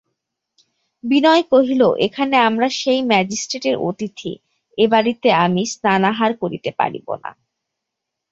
বিনয় কহিল, এখানে আমরা সেই ম্যাজিস্ট্রেটের অতিথি–এ বাড়িতে আমি স্নানাহার করতে পারব না।